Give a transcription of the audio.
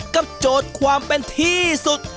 โจทย์ความเป็นที่สุด